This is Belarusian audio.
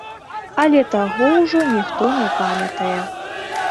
Але таго ўжо ніхто не памятае.